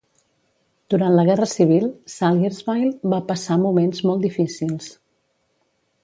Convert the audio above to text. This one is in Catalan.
Durant la Guerra Civil, Salyersville va passar moments molt difícils.